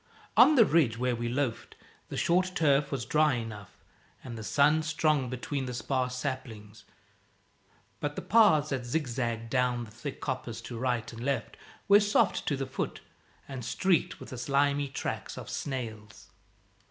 On the ridge where we loafed, the short turf was dry enough, and the sun strong between the sparse saplings; but the paths that zigzagged down the thick coppice to right and left were soft to the foot, and streaked with the slimy tracks of snails.